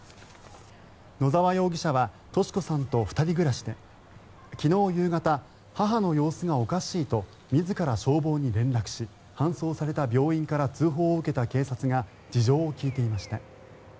野澤容疑者は敏子さんと２人暮らしで昨日夕方、母の様子がおかしいと自ら消防に連絡し搬送された病院から通報を受けた警察が事情を聴いていました。